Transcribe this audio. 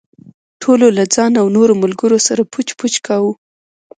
ټولو له ځان او نورو ملګرو سره پچ پچ کاوه.